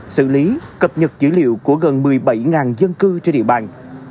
xử lý cập nhật dữ liệu của gần một mươi bảy dân cư trên địa bàn